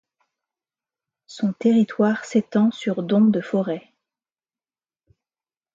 Son territoire s'étend sur dont de forêt.